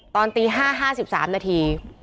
ตอนตี๕๕๓นาที